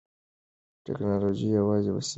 ټیکنالوژي یوازې وسیله ده.